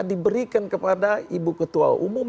diberikan kepada ibu ketua umum